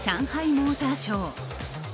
モーターショー。